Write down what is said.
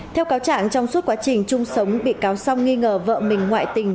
theo cáo trạng trong suốt quá trình chung sống bị cáo song nghi ngờ vợ mình ngoại tình